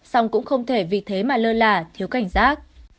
song cũng không thể vì thế mà lơ là thiếu cảnh giác